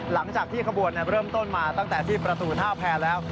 หลังจากที่ขบวนเริ่มต้นมาตั้งแต่ที่ประตูท่าแพรแล้ว